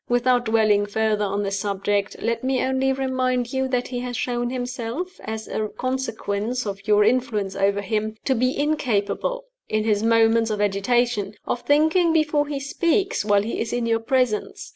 Without dwelling further on this subject, let me only remind you that he has shown himself (as a consequence of your influence over him) to be incapable, in his moments of agitation, of thinking before he speaks while he is in your presence.